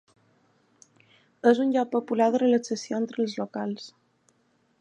És un lloc popular de relaxació entre els locals.